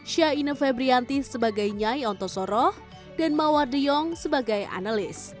syahina febrianti sebagai nyai ontosoroh dan mawar deyong sebagai analis